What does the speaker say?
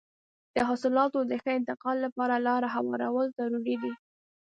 د حاصلاتو د ښه انتقال لپاره لاره هوارول ضروري دي.